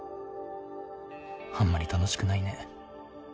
あんまり楽しくないね。